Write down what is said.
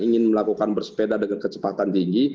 ingin melakukan bersepeda dengan kecepatan tinggi